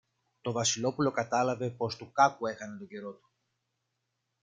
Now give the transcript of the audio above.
Το Βασιλόπουλο κατάλαβε πως του κάκου έχανε τον καιρό του.